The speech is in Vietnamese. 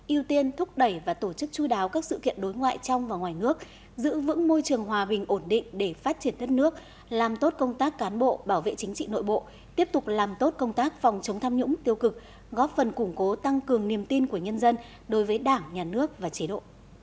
yêu tiên thúc đẩy và tổ chức chui đáo các sự kiện đối ngoại trong và ngoài nước giữ vững môi trường hòa bình ổn định để phát triển đất nước làm tốt công tác cán bộ bảo vệ chính trị nội bộ tiếp tục làm tốt công tác phòng chống tham nhũng tiêu cực góp phần củng cố tăng cường niềm tin của nhân dân đối với đảng nhà nước và chế độ